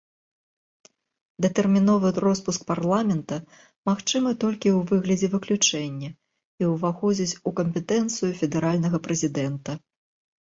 Датэрміновы роспуск парламента магчымы толькі ў выглядзе выключэння і ўваходзіць у кампетэнцыю федэральнага прэзідэнта.